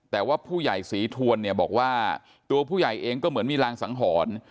แต่ว่าผู้ใหญ่ศรีทวนเนี่ยบอกว่าตัวผู้ใหญ่เองก็เหมือนมีรางสังหรณ์